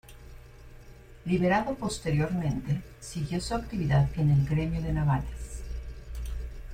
Liberado posteriormente, siguió su actividad en el gremio de navales.